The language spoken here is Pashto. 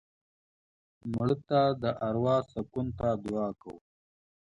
مړه ته د اروا سکون ته دعا کوو